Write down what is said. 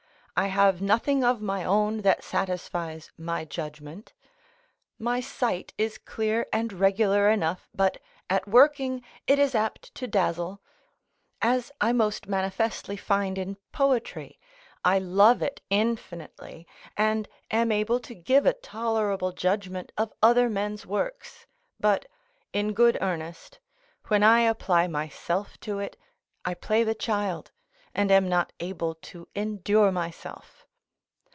I have nothing of my own that satisfies my judgment. My sight is clear and regular enough, but, at working, it is apt to dazzle; as I most manifestly find in poetry: I love it infinitely, and am able to give a tolerable judgment of other men's works; but, in good earnest, when I apply myself to it, I play the child, and am not able to endure myself.